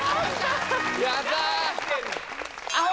やったー！